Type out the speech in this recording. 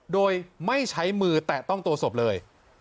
โดยไม่ใช้มือแตะต้องตัวศพเลย